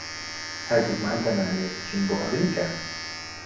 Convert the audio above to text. ھەردووکمان دەمانەوێت بچین بۆ ئەمریکا.